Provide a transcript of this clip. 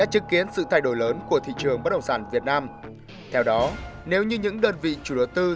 hãy cùng theo dõi những ghi nhận sau